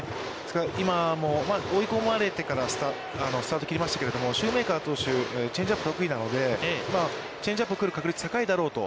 今も追い込まれてからスタートを切りましたけれども、シューメーカー投手、チェンジアップが得意なので、チェンジアップ来る確率が高いだろうと。